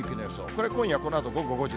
これ、今夜このあと午後５時。